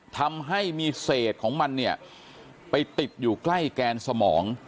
ทำให้มีเศษของมันเนี่ยไปติดอยู่ใกล้แกนสมอง